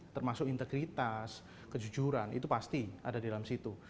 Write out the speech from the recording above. termasuk integritas kejujuran itu pasti ada di dalam situ